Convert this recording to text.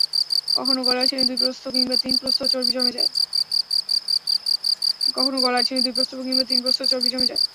কখনো গলার চিনে দুই প্রস্থ কিংবা তিন প্রস্থও চর্বি জমে যায়।